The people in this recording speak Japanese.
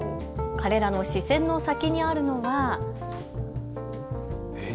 彼らの視線の先にあるのは。